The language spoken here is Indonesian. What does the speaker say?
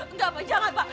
enggak pak jangan pak